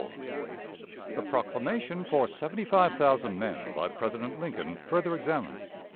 The Proclamation for Seventy five Thousand Men by President Lincoln further examined.